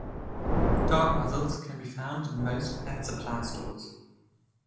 Dog muzzles can be found in most pet supply stores.